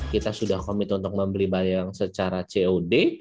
kita sudah komit untuk membeli barang secara cod